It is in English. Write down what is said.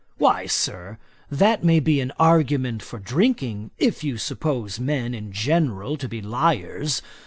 'Why, Sir, that may be an argument for drinking, if you suppose men in general to be liars.